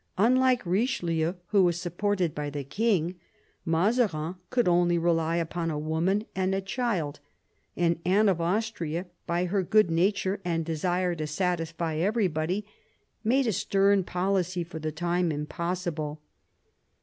Unlike Richelieu, who was supported by the king, Mazarin could only rely upon a woman and a child ; and Anne of Austria, by her good nature and desire to satisfy everybody, made a stern policy for the time impossible.